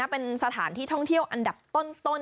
เป็นสถานที่ท่องเที่ยวอันดับต้น